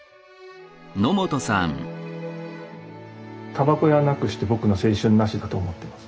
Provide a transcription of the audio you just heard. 煙草屋なくして僕の青春なしだと思ってます。